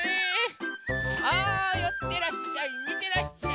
さあよってらっしゃいみてらっしゃい。